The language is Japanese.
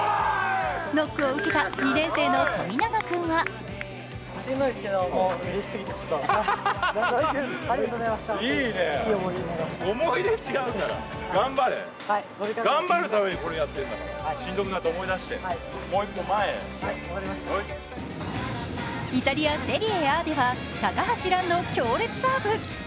ノックを受けた２年生の富永君はイタリア・セリエＡでは高橋藍の強烈サーブ。